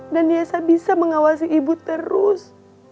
dan yessa bisa mengawasi ibu terus